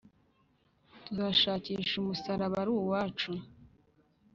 tuzashakisha umusaraba ari uwacu.